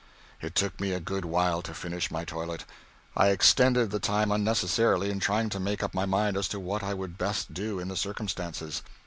It took me a good while to finish my toilet. I extended the time unnecessarily in trying to make up my mind as to what I would best do in the circumstances.